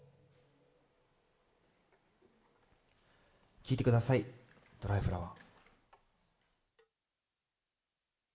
聴いてください、『ドライフラワー』。